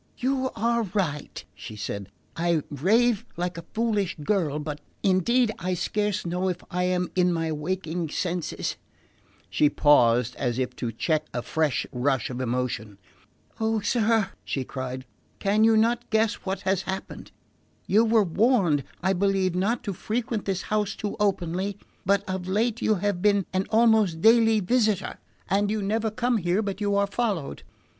"You are right," she said; "I rave like a foolish girl; but indeed I scarce know if I am in my waking senses" She paused, as if to check a fresh rush of emotion. "Oh, sir," she cried, "can you not guess what has happened? You were warned, I believe, not to frequent this house too openly; but of late you have been an almost daily visitor, and you never come here but you are followed.